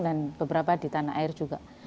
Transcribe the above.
dan beberapa di tanah air juga